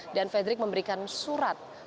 dan fredrik memberikan surat